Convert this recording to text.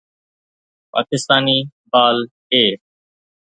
پاڪستاني بال اي